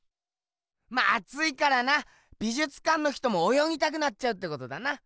まあついからな美じゅつかんの人もおよぎたくなっちゃうってことだな。